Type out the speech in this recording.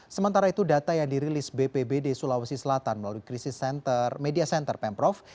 sementara itu data yang dirilis bpb di sulawesi selatan melalui media center pemprov